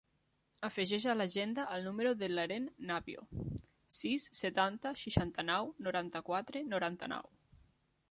Afegeix a l'agenda el número de l'Eren Navio: sis, setanta, seixanta-nou, noranta-quatre, noranta-nou.